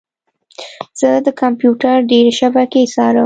زه د کمپیوټر ډیرې شبکې څارم.